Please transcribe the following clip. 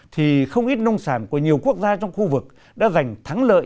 thì không ít nông sản của nhiều quốc gia trong khu vực đã giành thắng lợi